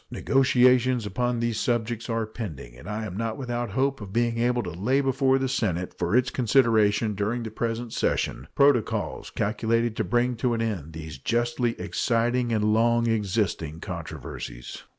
Negotiations upon these subjects are pending, and I am not without hope of being able to lay before the Senate, for its consideration during the present session, protocols calculated to bring to an end these justly exciting and long existing controversies.